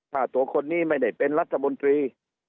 ถ้าตัวคนนี้ไม่ได้เป็นรัฐมนตรี